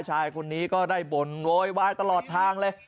ชายคนนี้ก็ได้บ่นโวยวายตลอดทางเลย